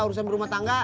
urusan rumah tangga